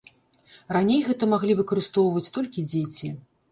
Раней гэта маглі выкарыстоўваць толькі дзеці.